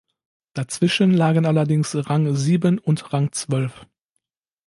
Dazwischen lagen allerdings Rang sieben und Rang zwölf.